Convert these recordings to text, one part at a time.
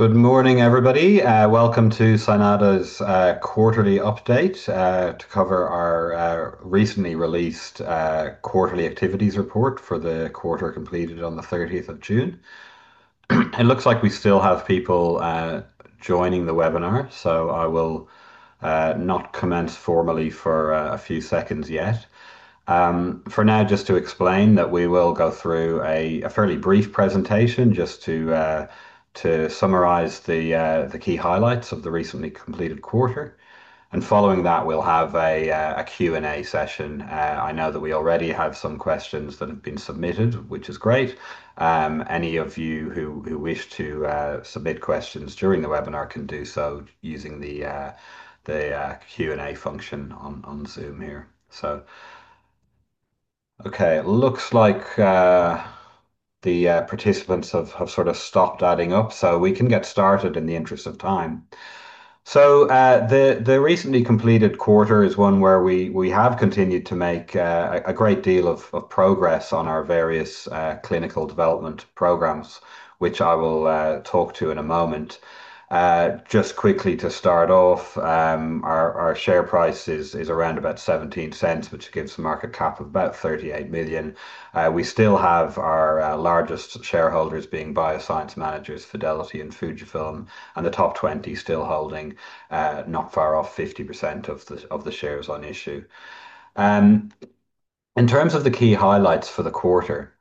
Good morning, everybody. Welcome to Cynata's quarterly update to cover our recently released quarterly activities report for the quarter completed on the 30th of June. It looks like we still have people joining the webinar, so I will not commence formally for a few seconds yet. For now, just to explain that we will go through a fairly brief presentation just to summarize the key highlights of the recently completed quarter. Following that, we'll have a Q&A session. I know that we already have some questions that have been submitted, which is great. Any of you who wish to submit questions during the webinar can do so using the Q&A function on Zoom here. Okay, it looks like the participants have sort of stopped adding up so we can get started in the interest of time. The recently completed quarter is one where we have continued to make a great deal of progress on our various clinical development programs, which I will talk to in a moment. Just quickly to start off, our share price is around about 0.17, which gives a market cap of about 38 million. We still have our largest shareholders being BioScience Managers, Fidelity, and Fujifilm, and the top 20 still holding not far off 50% of the shares on issue. In terms of the key highlights for the quarter,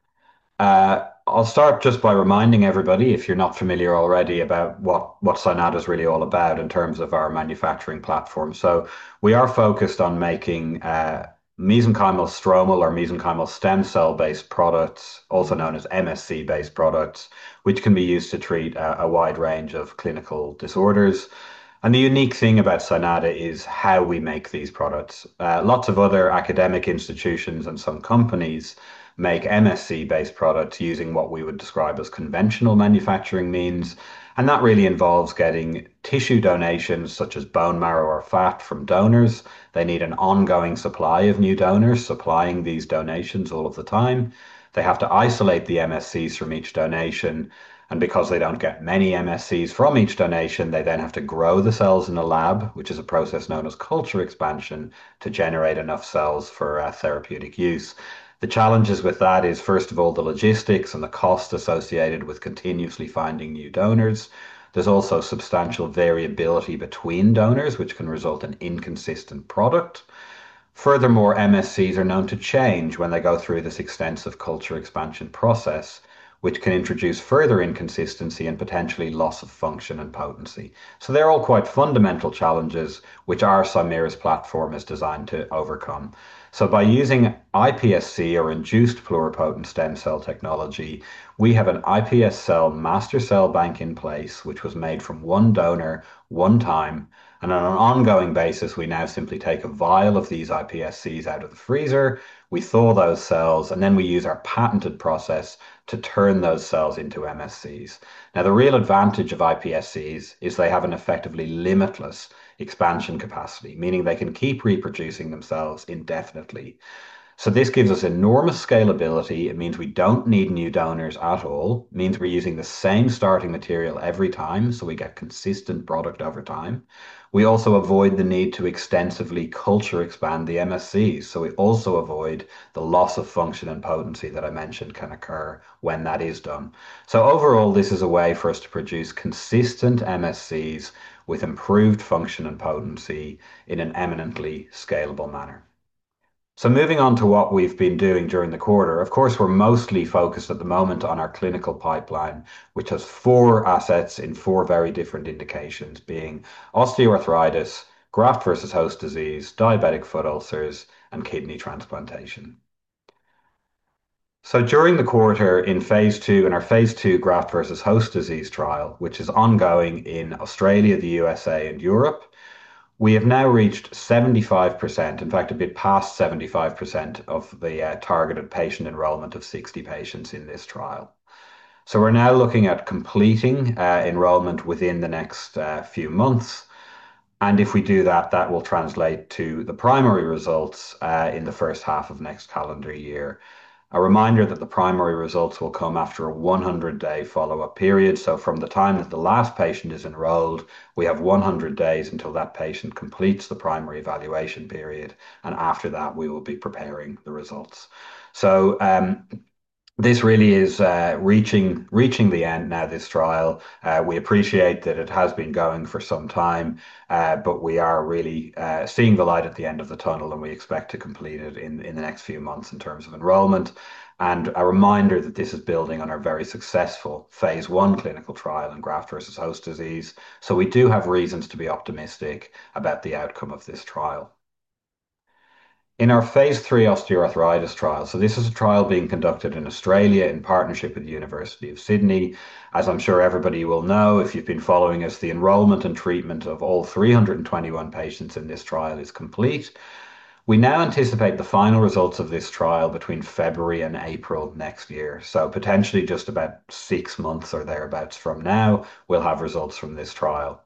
I'll start just by reminding everybody, if you're not familiar already, about what Cynata's really all about in terms of our manufacturing platform. We are focused on making mesenchymal stromal or mesenchymal stem cell-based products, also known as MSC-based products, which can be used to treat a wide range of clinical disorders. The unique thing about Cynata is how we make these products. Lots of other academic institutions and some companies make MSC-based products using what we would describe as conventional manufacturing means. That really involves getting tissue donations such as bone marrow or fat from donors. They need an ongoing supply of new donors supplying these donations all of the time. They have to isolate the MSCs from each donation. Because they don't get many MSCs from each donation, they then have to grow the cells in a lab, which is a process known as culture expansion, to generate enough cells for therapeutic use. The challenges with that is, first of all, the logistics and the cost associated with continuously finding new donors. There's also substantial variability between donors, which can result in inconsistent product. MSCs are known to change when they go through this extensive culture expansion process, which can introduce further inconsistency and potentially loss of function and potency. They're all quite fundamental challenges which our Cymerus platform is designed to overcome. By using iPSC or induced pluripotent stem cell technology, we have an iPS cell master cell bank in place, which was made from one donor one time. On an ongoing basis, we now simply take a vial of these iPSCs out of the freezer, we thaw those cells, and then we use our patented process to turn those cells into MSCs. The real advantage of iPSCs is they have an effectively limitless expansion capacity, meaning they can keep reproducing themselves indefinitely. This gives us enormous scalability. It means we don't need new donors at all. It means we're using the same starting material every time, so we get consistent product over time. We also avoid the need to extensively culture expand the MSCs, so we also avoid the loss of function and potency that I mentioned can occur when that is done. Overall, this is a way for us to produce consistent MSCs with improved function and potency in an eminently scalable manner. Moving on to what we've been doing during the quarter. Of course, we're mostly focused at the moment on our clinical pipeline, which has four assets in four very different indications, being osteoarthritis, graft versus host disease, diabetic foot ulcers, and kidney transplantation. During the quarter in phase II, in our phase II graft versus host disease trial, which is ongoing in Australia, the U.S.A., and Europe, we have now reached 75%, in fact, a bit past 75% of the targeted patient enrollment of 60 patients in this trial. We're now looking at completing enrollment within the next few months. If we do that will translate to the primary results in the first half of next calendar year. A reminder that the primary results will come after a 100-day follow-up period. From the time that the last patient is enrolled, we have 100 days until that patient completes the primary evaluation period. After that, we will be preparing the results. This really is reaching the end now, this trial. We appreciate that it has been going for some time but we are really seeing the light at the end of the tunnel, and we expect to complete it in the next few months in terms of enrollment. A reminder that this is building on our very successful phase I clinical trial in graft versus host disease. We do have reasons to be optimistic about the outcome of this trial. In our phase III osteoarthritis trial, so this is a trial being conducted in Australia in partnership with the University of Sydney. As I'm sure everybody will know if you've been following us, the enrollment and treatment of all 321 patients in this trial is complete. We now anticipate the final results of this trial between February and April next year. Potentially just about six months or thereabouts from now, we'll have results from this trial.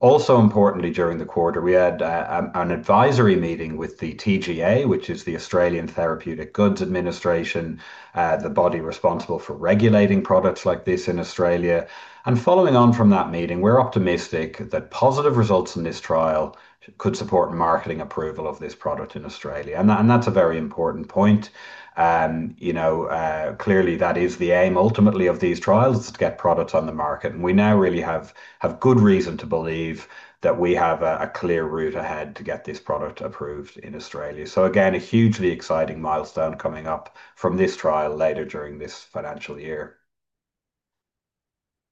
Also importantly, during the quarter, we had an advisory meeting with the TGA, which is the Australian Therapeutic Goods Administration, the body responsible for regulating products like this in Australia. Following on from that meeting, we're optimistic that positive results in this trial could support marketing approval of this product in Australia. That's a very important point. Clearly, that is the aim ultimately of these trials, is to get products on the market. We now really have good reason to believe that we have a clear route ahead to get this product approved in Australia. Again, a hugely exciting milestone coming up from this trial later during this financial year.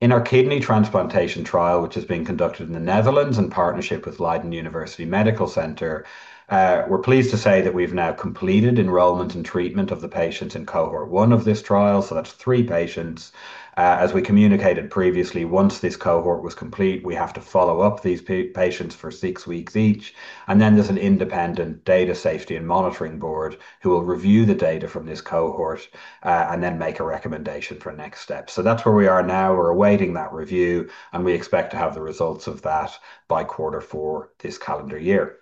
In our kidney transplantation trial, which is being conducted in the Netherlands in partnership with Leiden University Medical Center, we're pleased to say that we've now completed enrollment and treatment of the patients in cohort 1 of this trial, so that's three patients. As we communicated previously, once this cohort was complete, we have to follow up these patients for six weeks each, and then there's an independent data safety and monitoring board who will review the data from this cohort and then make a recommendation for next steps. That's where we are now. We're awaiting that review, and we expect to have the results of that by quarter four this calendar year.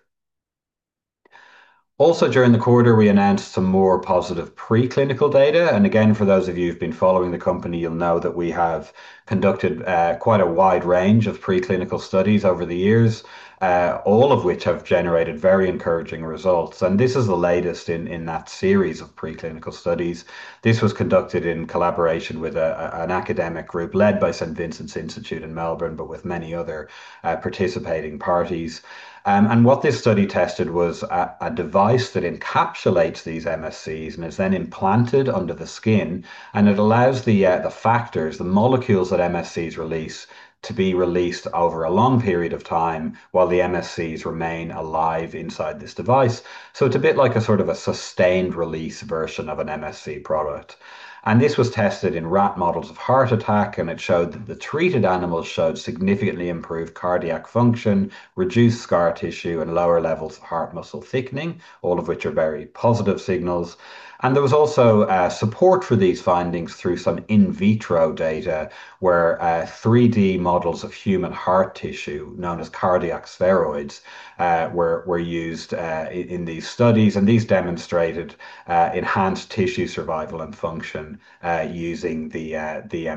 During the quarter, we announced some more positive preclinical data. Again, for those of you who've been following the company, you'll know that we have conducted quite a wide range of preclinical studies over the years, all of which have generated very encouraging results. This is the latest in that series of preclinical studies. This was conducted in collaboration with an academic group led by St. Vincent's Institute in Melbourne, but with many other participating parties. What this study tested was a device that encapsulates these MSCs and is then implanted under the skin, and it allows the factors, the molecules that MSCs release, to be released over a long period of time while the MSCs remain alive inside this device. It's a bit like a sort of a sustained release version of an MSC product. This was tested in rat models of heart attack, and it showed that the treated animals showed significantly improved cardiac function, reduced scar tissue, and lower levels of heart muscle thickening, all of which are very positive signals. There was also support for these findings through some in vitro data where 3D models of human heart tissue, known as cardiac spheroids, were used in these studies. These demonstrated enhanced tissue survival and function using the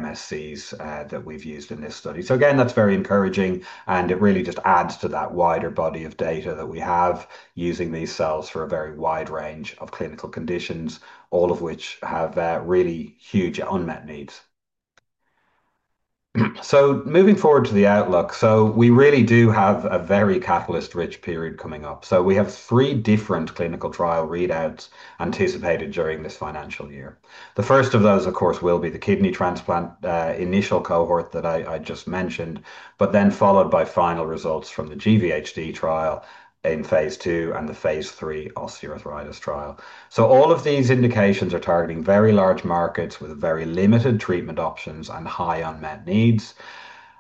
MSCs that we've used in this study. Again, that's very encouraging, and it really just adds to that wider body of data that we have using these cells for a very wide range of clinical conditions, all of which have really huge unmet needs. Moving forward to the outlook. We really do have a very catalyst-rich period coming up. We have three different clinical trial readouts anticipated during this financial year. The first of those, of course, will be the kidney transplant initial cohort that I just mentioned, followed by final results from the GVHD trial in phase II and the phase III osteoarthritis trial. All of these indications are targeting very large markets with very limited treatment options and high unmet needs.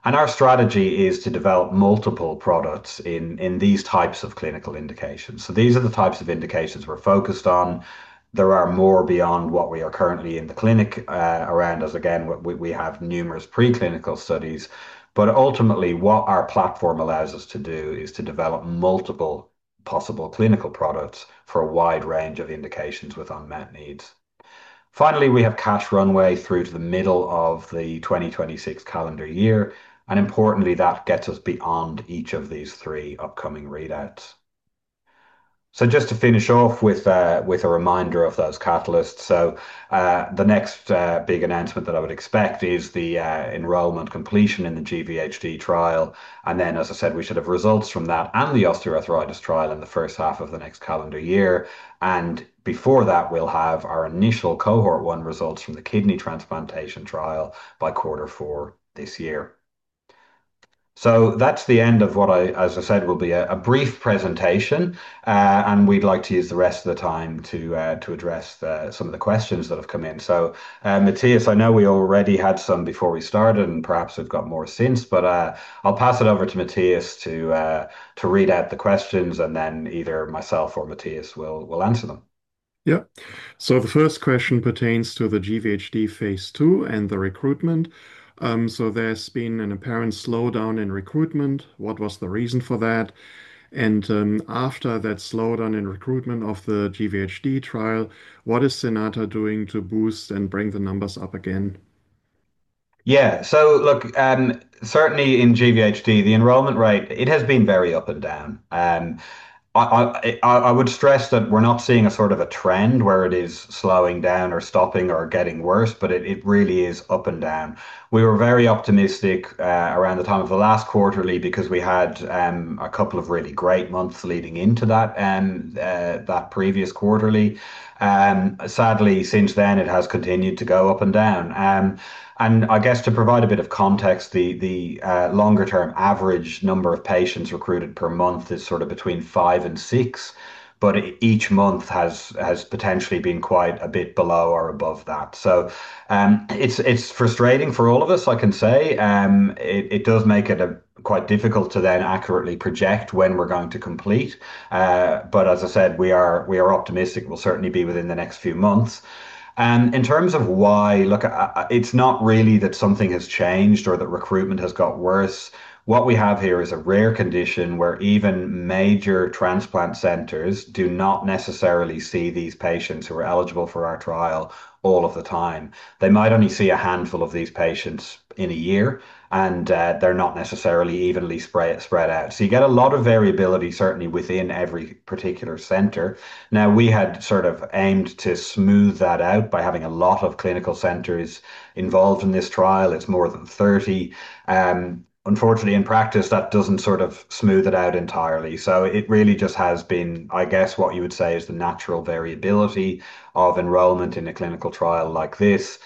Our strategy is to develop multiple products in these types of clinical indications. These are the types of indications we're focused on. There are more beyond what we are currently in the clinic around as, again, we have numerous preclinical studies. Ultimately, what our platform allows us to do is to develop multiple possible clinical products for a wide range of indications with unmet needs. Finally, we have cash runway through to the middle of the 2026 calendar year, and importantly, that gets us beyond each of these three upcoming readouts. Just to finish off with a reminder of those catalysts. The next big announcement that I would expect is the enrollment completion in the GVHD trial. Then, as I said, we should have results from that and the osteoarthritis trial in the first half of the next calendar year. Before that, we'll have our initial cohort 1 results from the kidney transplantation trial by quarter four this year. That's the end of what I, as I said, will be a brief presentation. We'd like to use the rest of the time to address some of the questions that have come in. Mathias, I know we already had some before we started, and perhaps we've got more since, but I'll pass it over to Mathias to read out the questions, and then either myself or Mathias will answer them. Yeah. The first question pertains to the GVHD phase II and the recruitment. There's been an apparent slowdown in recruitment. What was the reason for that? After that slowdown in recruitment of the GVHD trial, what is Cynata doing to boost and bring the numbers up again? Yeah. Look, certainly in GVHD, the enrollment rate has been very up and down. I would stress that we're not seeing a sort of a trend where it is slowing down or stopping or getting worse, but it really is up and down. We were very optimistic around the time of the last quarterly because we had a couple of really great months leading into that previous quarterly. Sadly, since then it has continued to go up and down. I guess to provide a bit of context, the longer term average number of patients recruited per month is sort of between five and six, but each month has potentially been quite a bit below or above that. It's frustrating for all of us, I can say. It does make it quite difficult to then accurately project when we're going to complete. As I said, we are optimistic. We'll certainly be within the next few months. In terms of why. Look, it's not really that something has changed or that recruitment has got worse. What we have here is a rare condition where even major transplant centers do not necessarily see these patients who are eligible for our trial all of the time. They might only see a handful of these patients in a year, and they're not necessarily evenly spread out. You get a lot of variability, certainly within every particular center. We had sort of aimed to smooth that out by having a lot of clinical centers involved in this trial. It's more than 30. Unfortunately, in practice, that doesn't sort of smooth it out entirely. It really just has been, I guess what you would say is the natural variability of enrollment in a clinical trial like this.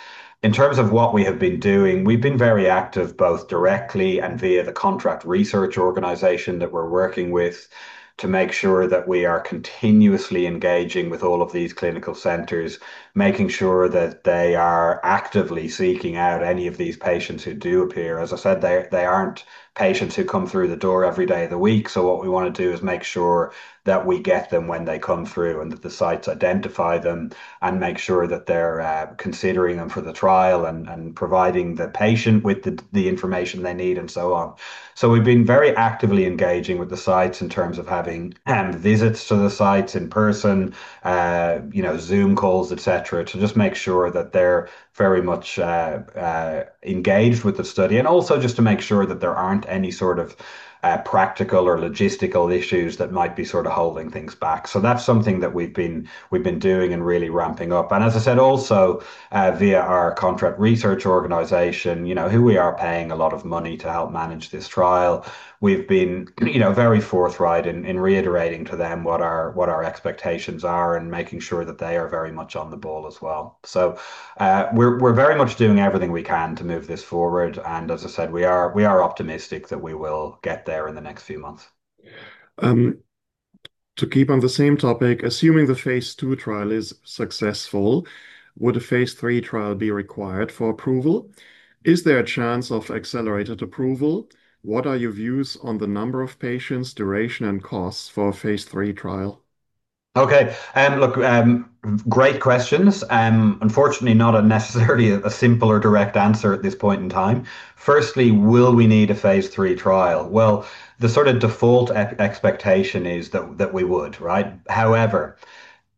In terms of what we have been doing, we've been very active, both directly and via the contract research organization that we're working with to make sure that we are continuously engaging with all of these clinical centers, making sure that they are actively seeking out any of these patients who do appear. As I said, they aren't patients who come through the door every day of the week. What we want to do is make sure that we get them when they come through, and that the sites identify them and make sure that they're considering them for the trial and providing the patient with the information they need and so on. We've been very actively engaging with the sites in terms of having visits to the sites in person, Zoom calls, et cetera, to just make sure that they're very much engaged with the study, and also just to make sure that there aren't any sort of practical or logistical issues that might be sort of holding things back. That's something that we've been doing and really ramping up. As I said also via our contract research organization, who we are paying a lot of money to help manage this trial. We've been very forthright in reiterating to them what our expectations are and making sure that they are very much on the ball as well. We're very much doing everything we can to move this forward, and as I said, we are optimistic that we will get there in the next few months. To keep on the same topic, assuming the phase II trial is successful, would a phase III trial be required for approval? Is there a chance of accelerated approval? What are your views on the number of patients, duration, and costs for a phase III trial? Look, great questions. Unfortunately, not necessarily a simple or direct answer at this point in time. Firstly, will we need a phase III trial? Well, the sort of default expectation is that we would, right?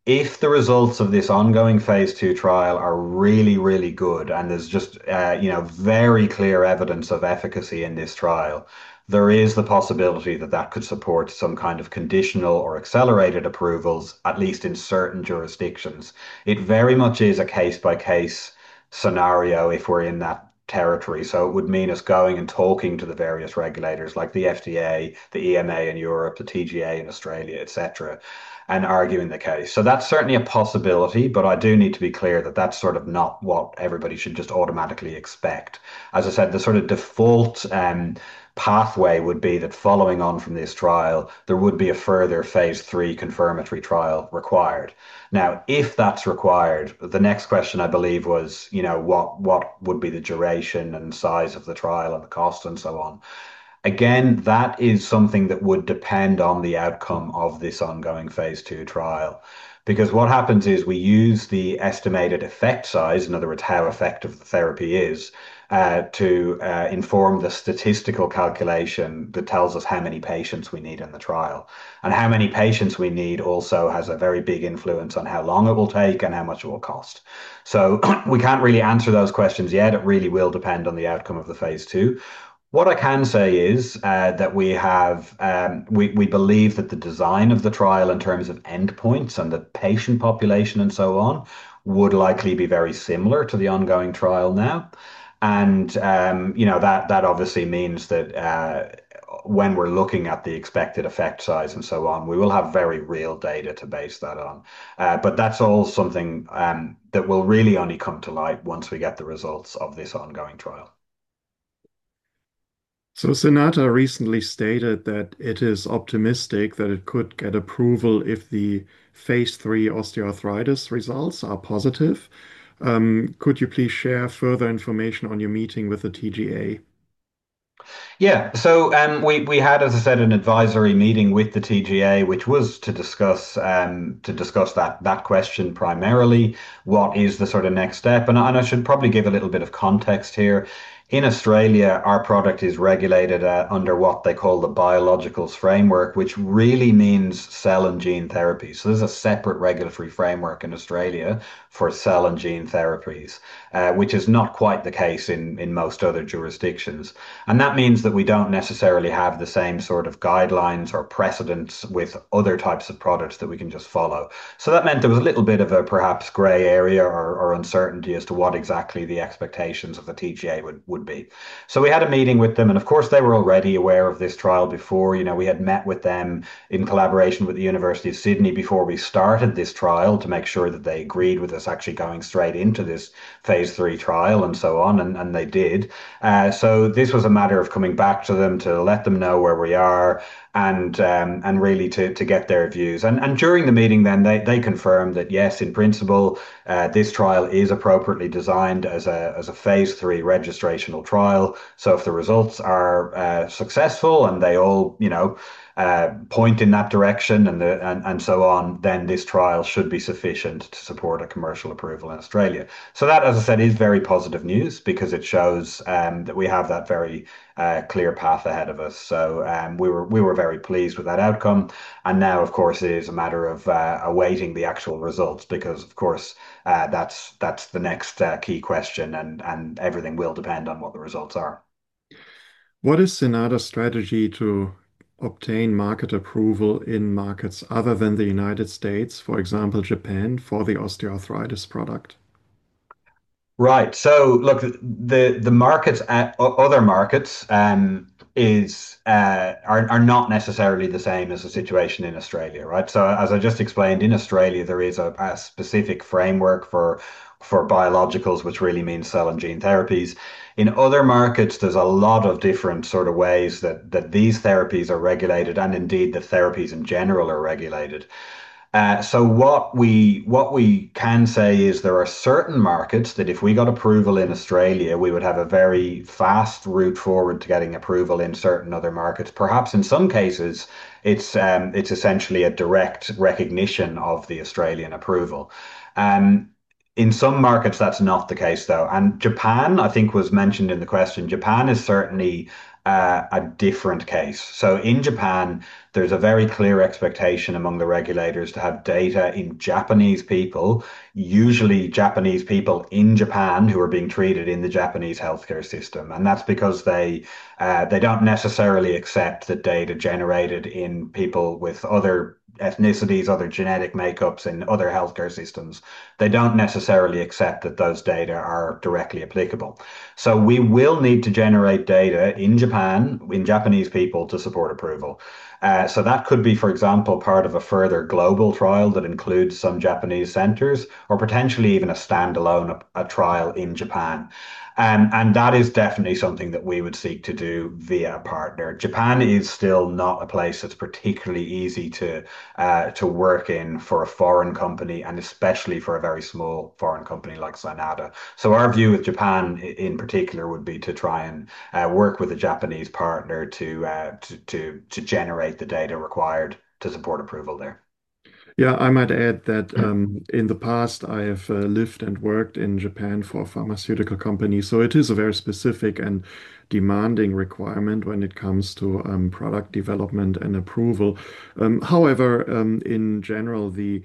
If the results of this ongoing phase II trial are really, really good and there's just very clear evidence of efficacy in this trial, there is the possibility that that could support some kind of conditional or accelerated approvals, at least in certain jurisdictions. It very much is a case-by-case scenario if we're in that territory. It would mean us going and talking to the various regulators, like the FDA, the EMA in Europe, the TGA in Australia, et cetera, and arguing the case. That's certainly a possibility, but I do need to be clear that that's sort of not what everybody should just automatically expect. As I said, the sort of default pathway would be that following on from this trial, there would be a further phase III confirmatory trial required. If that's required, the next question I believe was what would be the duration and size of the trial and the cost and so on. That is something that would depend on the outcome of this ongoing phase II trial. What happens is we use the estimated effect size, in other words, how effective the therapy is to inform the statistical calculation that tells us how many patients we need in the trial. How many patients we need also has a very big influence on how long it will take and how much it will cost. We can't really answer those questions yet. It really will depend on the outcome of the phase II. What I can say is that we believe that the design of the trial in terms of endpoints and the patient population and so on, would likely be very similar to the ongoing trial now. That obviously means that when we're looking at the expected effect size and so on, we will have very real data to base that on. That's all something that will really only come to light once we get the results of this ongoing trial. Cynata recently stated that it is optimistic that it could get approval if the phase III osteoarthritis results are positive. Could you please share further information on your meeting with the TGA? Yeah. We had, as I said, an advisory meeting with the TGA, which was to discuss that question primarily, what is the next step? I should probably give a little bit of context here. In Australia, our product is regulated under what they call the Biologicals Regulatory Framework, which really means cell and gene therapy. There's a separate regulatory framework in Australia for cell and gene therapies, which is not quite the case in most other jurisdictions. That means that we don't necessarily have the same sort of guidelines or precedents with other types of products that we can just follow. That meant there was a little bit of a perhaps gray area or uncertainty as to what exactly the expectations of the TGA would be. We had a meeting with them, and of course, they were already aware of this trial before. We had met with them in collaboration with the University of Sydney before we started this trial to make sure that they agreed with us actually going straight into this phase III trial and so on. They did. This was a matter of coming back to them to let them know where we are and really to get their views. During the meeting then, they confirmed that, yes, in principle, this trial is appropriately designed as a phase III registrational trial. If the results are successful and they all point in that direction and so on, then this trial should be sufficient to support a commercial approval in Australia. That, as I said, is very positive news because it shows that we have that very clear path ahead of us. We were very pleased with that outcome. Now, of course, it is a matter of awaiting the actual results because, of course, that's the next key question and everything will depend on what the results are. What is Cynata's strategy to obtain market approval in markets other than the United States, for example, Japan, for the osteoarthritis product? Right. Look, the other markets are not necessarily the same as the situation in Australia, right? As I just explained, in Australia, there is a specific framework for biologicals, which really means cell and gene therapies. In other markets, there's a lot of different sort of ways that these therapies are regulated and indeed the therapies in general are regulated. What we can say is there are certain markets that if we got approval in Australia, we would have a very fast route forward to getting approval in certain other markets. Perhaps in some cases, it's essentially a direct recognition of the Australian approval. In some markets, that's not the case though. Japan, I think, was mentioned in the question. Japan is certainly a different case. In Japan, there's a very clear expectation among the regulators to have data in Japanese people, usually Japanese people in Japan who are being treated in the Japanese healthcare system. That's because they don't necessarily accept the data generated in people with other ethnicities, other genetic makeups in other healthcare systems. They don't necessarily accept that those data are directly applicable. We will need to generate data in Japan, in Japanese people to support approval. That could be, for example, part of a further global trial that includes some Japanese centers or potentially even a standalone trial in Japan. That is definitely something that we would seek to do via a partner. Japan is still not a place that's particularly easy to work in for a foreign company and especially for a very small foreign company like Cynata. Our view with Japan in particular would be to try and work with a Japanese partner to generate the data required to support approval there. I might add that in the past I have lived and worked in Japan for a pharmaceutical company, so it is a very specific and demanding requirement when it comes to product development and approval. However, in general, the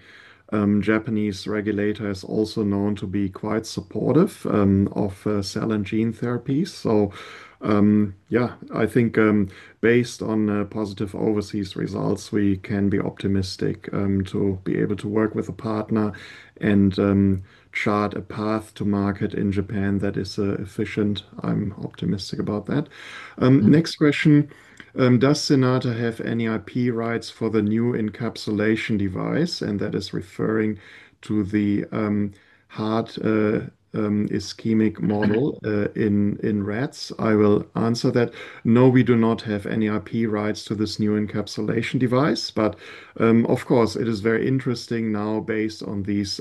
Japanese regulator is also known to be quite supportive of cell and gene therapies. I think based on positive overseas results, we can be optimistic to be able to work with a partner and chart a path to market in Japan that is efficient. I'm optimistic about that. Next question. Does Cynata have any IP rights for the new encapsulation device? That is referring to the heart ischemic model in rats. I will answer that. No, we do not have any IP rights to this new encapsulation device. Of course, it is very interesting now based on these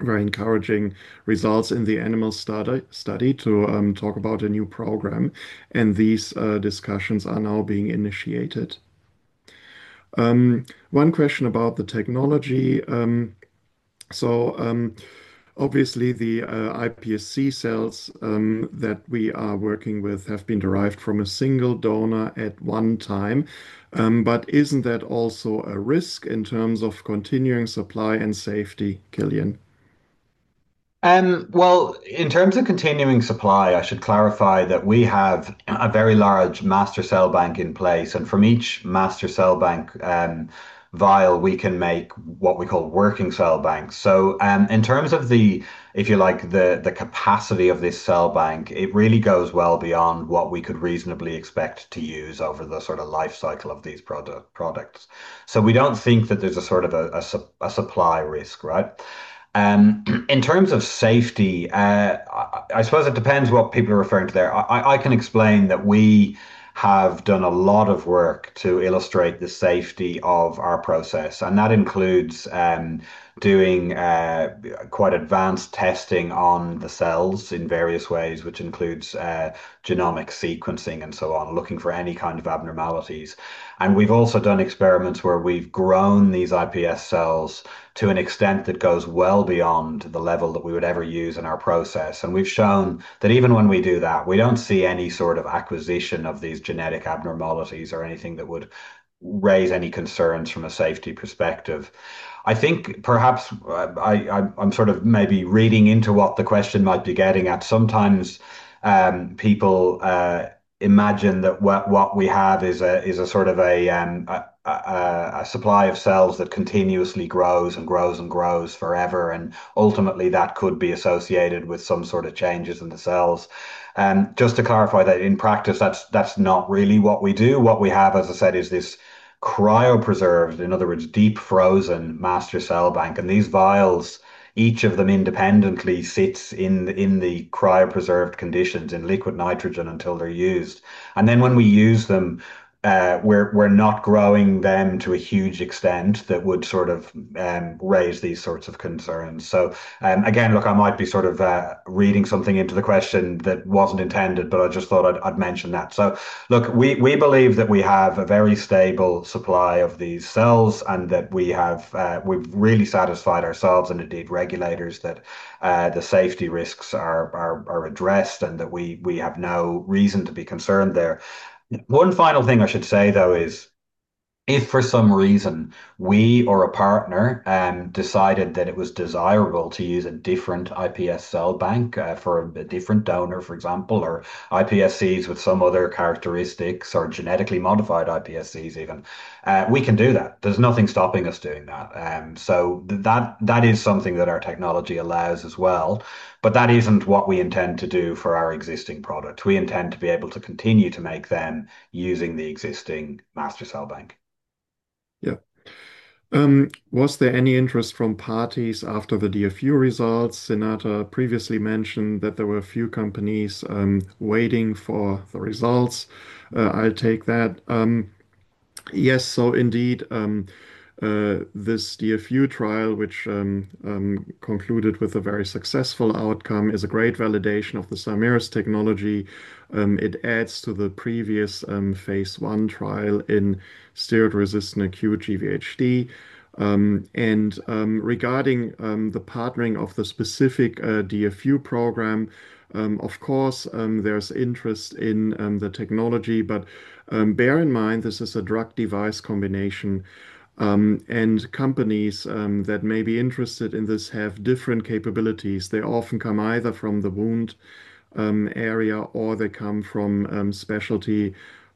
very encouraging results in the animal study to talk about a new program, and these discussions are now being initiated. One question about the technology. Obviously the iPSC cells that we are working with have been derived from a single donor at one time. But isn't that also a risk in terms of continuing supply and safety, Kilian? Well, in terms of continuing supply, I should clarify that we have a very large master cell bank in place, and from each master cell bank vial, we can make what we call working cell banks. In terms of the, if you like, the capacity of this cell bank, it really goes well beyond what we could reasonably expect to use over the sort of life cycle of these products. We don't think that there's a sort of a supply risk, right? In terms of safety, I suppose it depends what people are referring to there. I can explain that we have done a lot of work to illustrate the safety of our process, and that includes doing quite advanced testing on the cells in various ways, which includes genomic sequencing and so on, looking for any kind of abnormalities. We've also done experiments where we've grown these iPS cells to an extent that goes well beyond the level that we would ever use in our process. We've shown that even when we do that, we don't see any sort of acquisition of these genetic abnormalities or anything that would raise any concerns from a safety perspective. I think perhaps I'm maybe reading into what the question might be getting at. Sometimes people imagine that what we have is a sort of a supply of cells that continuously grows and grows and grows forever, and ultimately that could be associated with some sort of changes in the cells. Just to clarify that in practice, that's not really what we do. What we have, as I said, is this cryopreserved, in other words, deep frozen master cell bank. These vials, each of them independently sits in the cryopreserved conditions in liquid nitrogen until they're used. When we use them, we're not growing them to a huge extent that would raise these sorts of concerns. Again, look, I might be reading something into the question that wasn't intended, but I just thought I'd mention that. We believe that we have a very stable supply of these cells and that we've really satisfied ourselves, and indeed regulators, that the safety risks are addressed and that we have no reason to be concerned there. One final thing I should say, though, is if for some reason we or a partner decided that it was desirable to use a different iPS cell bank for a different donor, for example, or iPSCs with some other characteristics or genetically modified iPSCs even, we can do that. There's nothing stopping us doing that. That is something that our technology allows as well, but that isn't what we intend to do for our existing product. We intend to be able to continue to make them using the existing master cell bank. Was there any interest from parties after the DFU results? Cynata previously mentioned that there were a few companies waiting for the results. I'll take that. Indeed this DFU trial, which concluded with a very successful outcome, is a great validation of the Cymerus technology. It adds to the previous phase I trial in steroid-resistant acute GVHD. Regarding the partnering of the specific DFU program, of course, there's interest in the technology. Bear in mind, this is a drug device combination, and companies that may be interested in this have different capabilities. They often come either from the wound area or they come from specialty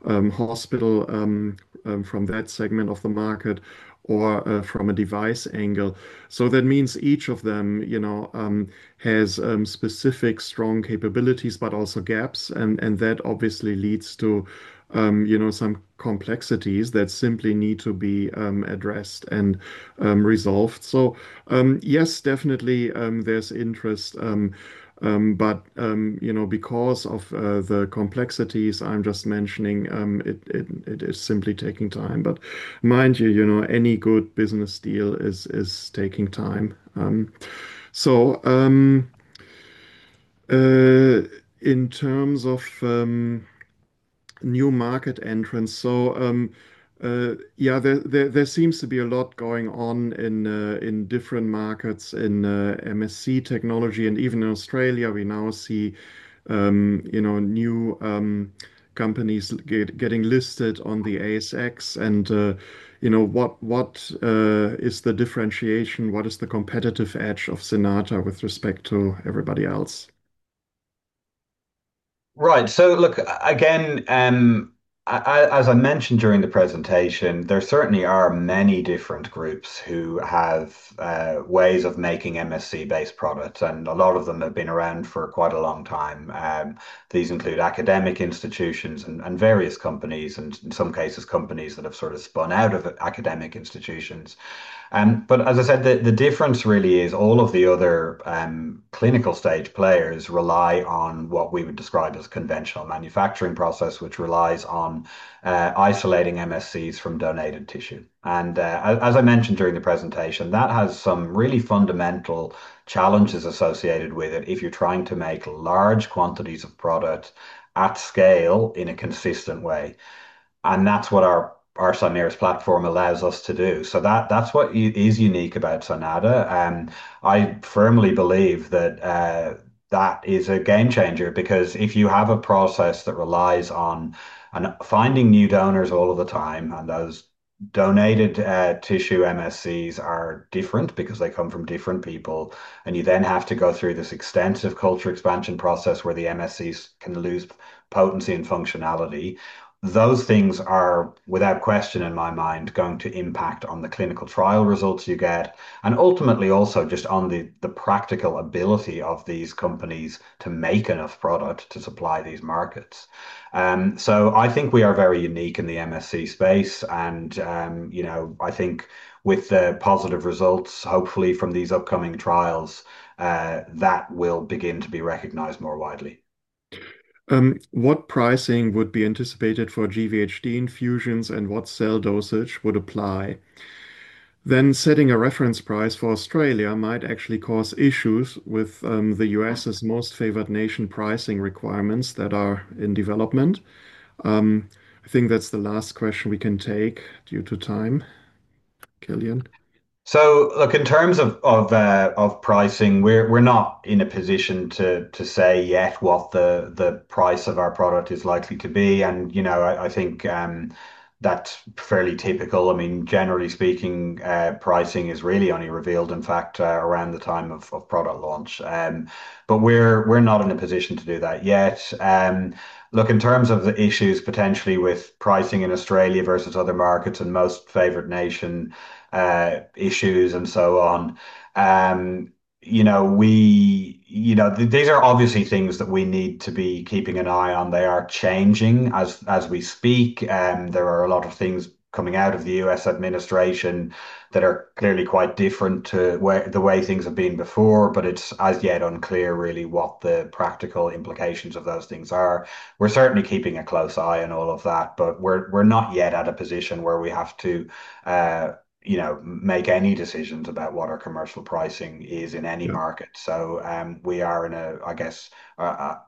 hospital from that segment of the market, or from a device angle. That means each of them has specific strong capabilities, but also gaps, and that obviously leads to some complexities that simply need to be addressed and resolved. Yes, definitely there's interest, but because of the complexities I'm just mentioning it is simply taking time. Mind you, any good business deal is taking time. In terms of new market entrants, yeah, there seems to be a lot going on in different markets in MSC technology, and even in Australia we now see new companies getting listed on the ASX and what is the differentiation, what is the competitive edge of Cynata with respect to everybody else? Right. Look, again, as I mentioned during the presentation, there certainly are many different groups who have ways of making MSC-based products, and a lot of them have been around for quite a long time. These include academic institutions and various companies, and in some cases, companies that have sort of spun out of academic institutions. As I said, the difference really is all of the other clinical stage players rely on what we would describe as conventional manufacturing process, which relies on isolating MSCs from donated tissue. As I mentioned during the presentation, that has some really fundamental challenges associated with it if you're trying to make large quantities of product at scale in a consistent way. That's what our Cymerus platform allows us to do. That's what is unique about Cynata. I firmly believe that that is a game changer because if you have a process that relies on finding new donors all of the time, and those donated tissue MSCs are different because they come from different people, and you then have to go through this extensive culture expansion process where the MSCs can lose potency and functionality. Those things are, without question in my mind, going to impact on the clinical trial results you get, and ultimately also just on the practical ability of these companies to make enough product to supply these markets. I think we are very unique in the MSC space and I think with the positive results, hopefully from these upcoming trials, that will begin to be recognized more widely. What pricing would be anticipated for GVHD infusions and what cell dosage would apply? Setting a reference price for Australia might actually cause issues with the U.S. Most-Favored-Nation pricing requirements that are in development. I think that's the last question we can take due to time. Kilian. In terms of pricing, we're not in a position to say yet what the price of our product is likely to be, and I think that's fairly typical. Generally speaking, pricing is really only revealed, in fact, around the time of product launch. We're not in a position to do that yet. In terms of the issues potentially with pricing in Australia versus other markets and Most-Favored-Nation issues and so on, these are obviously things that we need to be keeping an eye on. They are changing as we speak. There are a lot of things coming out of the U.S. administration that are clearly quite different to the way things have been before, but it's as yet unclear really what the practical implications of those things are. We're certainly keeping a close eye on all of that, but we're not yet at a position where we have to make any decisions about what our commercial pricing is in any market. We are in a, I guess,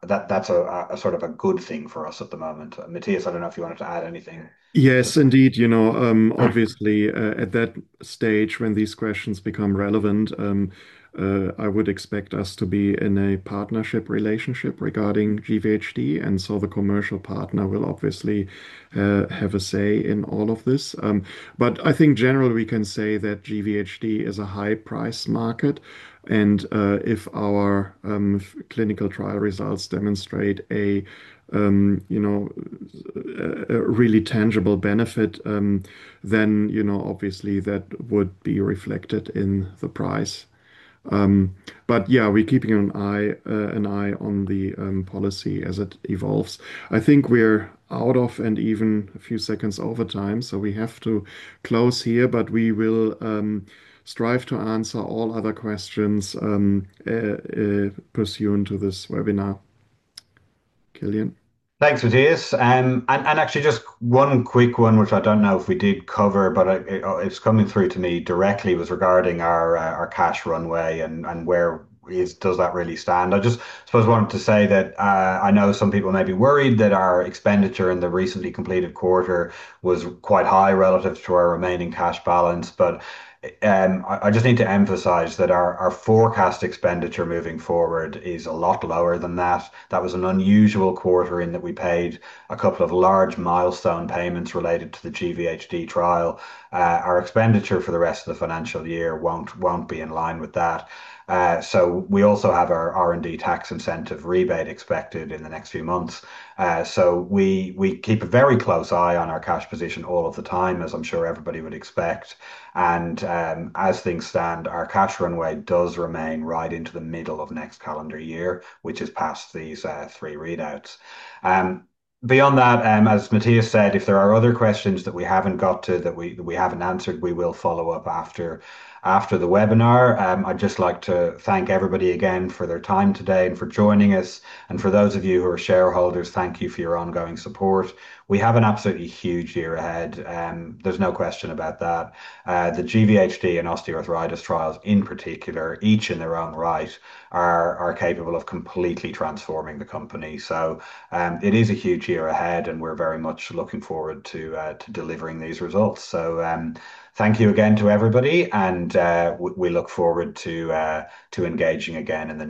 that's a sort of a good thing for us at the moment. Mathias, I don't know if you wanted to add anything. Yes, indeed. Obviously, at that stage when these questions become relevant, I would expect us to be in a partnership relationship regarding GVHD, and so the commercial partner will obviously have a say in all of this. But I think generally we can say that GVHD is a high-price market, and if our clinical trial results demonstrate a really tangible benefit, then obviously that would be reflected in the price. But yeah, we're keeping an eye on the policy as it evolves. I think we're out of and even a few seconds over time, so we have to close here. But we will strive to answer all other questions pursuant to this webinar. Kilian. Thanks, Mathias. Actually just one quick one, which I don't know if we did cover, but it is coming through to me directly, was regarding our cash runway and where does that really stand. I just suppose wanted to say that I know some people may be worried that our expenditure in the recently completed quarter was quite high relative to our remaining cash balance, I just need to emphasize that our forecast expenditure moving forward is a lot lower than that. That was an unusual quarter in that we paid a couple of large milestone payments related to the GVHD trial. Our expenditure for the rest of the financial year won't be in line with that. We also have our R&D Tax Incentive rebate expected in the next few months. We keep a very close eye on our cash position all of the time, as I'm sure everybody would expect. As things stand, our cash runway does remain right into the middle of next calendar year, which is past these three readouts. Beyond that, as Mathias said, if there are other questions that we haven't got to, that we haven't answered, we will follow up after the webinar. I'd just like to thank everybody again for their time today and for joining us. For those of you who are shareholders, thank you for your ongoing support. We have an absolutely huge year ahead, there's no question about that. The GVHD and osteoarthritis trials in particular, each in their own right, are capable of completely transforming the company. It is a huge year ahead, and we're very much looking forward to delivering these results. Thank you again to everybody, and we look forward to engaging again in the.